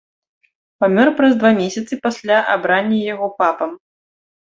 Памёр праз два месяцы пасля абрання яго папам.